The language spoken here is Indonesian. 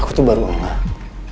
aku tuh baru menganggap